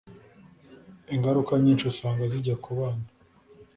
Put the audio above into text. ingaruka nyinshi usanga zijya ku bana